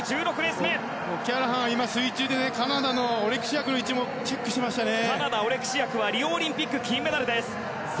オキャラハンが今、水中でオレクシアクの位置もカナダのオレクシアクはリオオリンピック金メダルです。